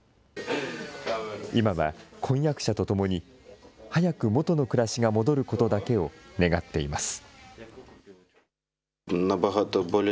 今は婚約者と共に、早く元の暮らしが戻ることだけを願っています。